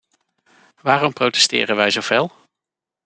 Waarom protesteren wij zo fel?